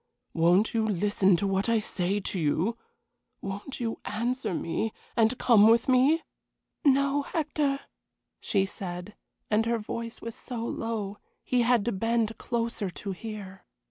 Won't you listen to what I say to you? Won't you answer me, and come with me?" "No, Hector," she said, and her voice was so low he had to bend closer to hear.